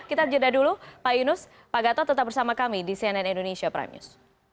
kita jeda dulu pak yunus pak gatot tetap bersama kami di cnn indonesia prime news